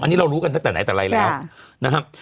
อันนี้เรารู้กันตั้งแต่ไหนแต่ไรแล้วนะครับ